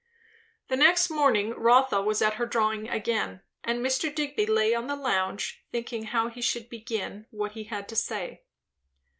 The next morning Rotha was at her drawing again, and Mr. Digby lay on the lounge, thinking how he should begin what he had to say.